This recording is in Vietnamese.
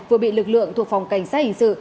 vừa bị lực lượng thuộc phòng cảnh sát hình sự